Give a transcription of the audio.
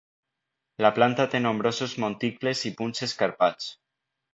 La planta té nombrosos monticles i punts escarpats.